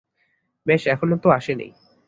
বেশ, এখনো তো আসেনি।